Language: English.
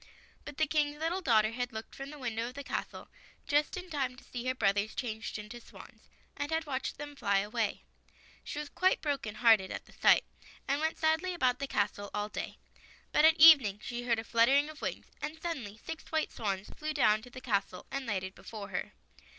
But the King's little daughter had looked from the window of the castle just in time to see her brothers changed into swans, and had watched them fly away. She was quite broken hearted at the sight, [ 49 ] FAVORITE FAIRY TALES RETOLD and went sadly about the castle all day. But at evening she heard a fluttering of wings, and suddenly six white swans flew down to the castle, and lighted before her.